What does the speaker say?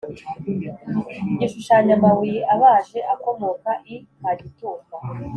Igishushanyo Amabuye abaje akomoka i Kagitumba